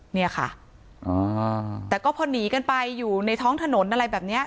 เนี่ยค่ะแต่ก็พอหนีกันไปอยู่ในท้องถนนอะไรแบบเนี้ย